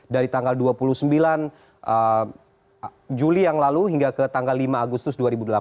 dari tanggal dua puluh sembilan juli yang lalu hingga ke tanggal lima agustus dua ribu delapan belas